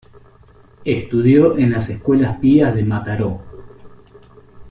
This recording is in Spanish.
Estudió en las Escuelas Pías de Mataró.